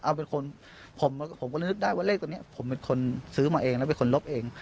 เอาเป็นคนผมก็นึกได้ว่าเลขตัวนี้ผมเป็นคนซื้อมาเองแล้วเป็นคนลบเอง